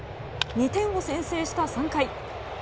２点を先制した３回。